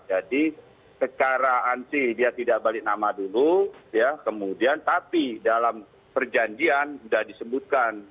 jadi secara ansi dia tidak balik nama dulu ya kemudian tapi dalam perjanjian sudah disebutkan